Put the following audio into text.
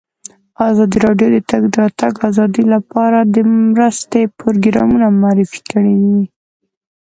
ازادي راډیو د د تګ راتګ ازادي لپاره د مرستو پروګرامونه معرفي کړي.